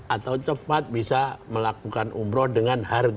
atau cepat bisa melakukan umroh dengan harga